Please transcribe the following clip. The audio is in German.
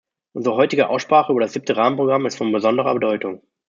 Unsere heutige Aussprache über das Siebte Rahmenprogramm ist von besonderer Bedeutung.